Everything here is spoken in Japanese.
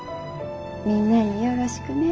みんなによろしくね。